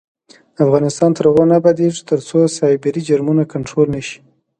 افغانستان تر هغو نه ابادیږي، ترڅو سایبري جرمونه کنټرول نشي.